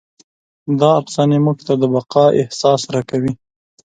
دا افسانې موږ ته د بقا احساس راکوي.